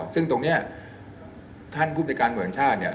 ซึ่งตรงเนี้ยท่านผู้บริการบริการชาติเนี้ย